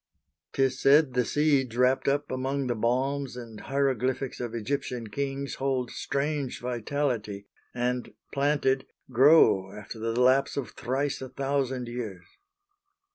'Tis said the seeds wrapt up among the balms And hieroglyphics of Egyptian kings Hold strange vitality, and, planted, grow After the lapse of thrice a thousand years.